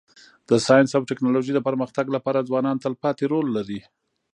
د ساینس او ټکنالوژۍ د پرمختګ لپاره ځوانان تلپاتی رول لري.